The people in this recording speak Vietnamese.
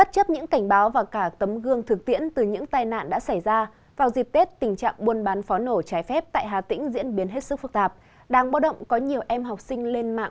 các bạn hãy đăng ký kênh để ủng hộ kênh của chúng mình nhé